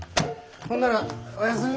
ほんならおやすみ。